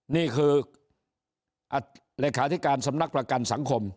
นี่คือเลขาธิการสำนักประกันสังคม